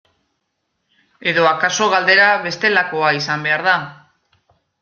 Edo akaso galdera bestelakoa izan behar da.